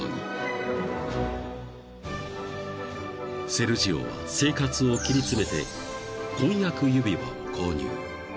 ［セルジオは生活を切り詰めて婚約指輪を購入］